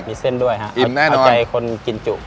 มีเส้นด้วยค่ะอิ่มแน่นอนอาจจะให้คนกินจุ